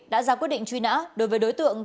đã ra quyết định truy nã đối với đối tượng